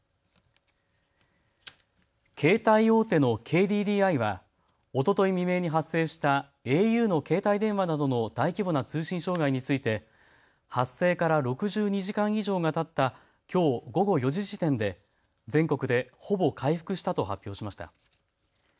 携帯大手のＫＤＤＩはおととい未明に発生したａｕの携帯電話などの大規模な通信障害について、発生から６２時間以上がたったきょう午後４時時点で全国でほぼ回復したと発表しました。